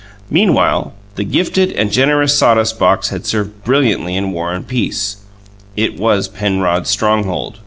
Meanwhile, the gifted and generous sawdust box had served brilliantly in war and peace: it was Penrod's stronghold.